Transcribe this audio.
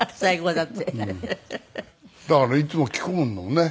だからいつも聞くものね。